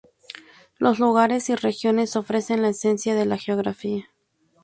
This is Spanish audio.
Los lugares y regiones ofrecen la esencia de la geografía.